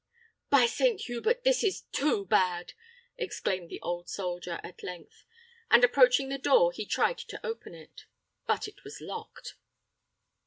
"By Saint Hubert, this is too bad!" exclaimed the old soldier, at length; and approaching the door, he tried to open it, but it was locked.